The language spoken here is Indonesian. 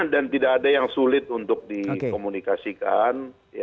dan tidak ada yang sulit untuk dikomunikasikan